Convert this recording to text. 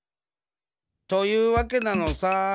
というわけなのさ。